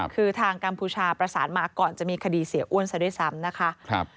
คือทางกัมพูชาประสานมาก่อนจะมีคดีเสียอ้วนซะด้วยซ้ำนะคะ